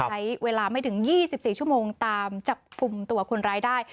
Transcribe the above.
ใช้เวลาไม่ถึง๒๔ชั่วโมงตามจับกลุ่มตัวคนร้ายได้